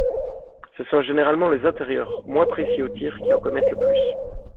Ce sont généralement les intérieurs, moins précis au tir, qui en commettent le plus.